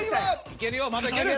いけるよまだいける。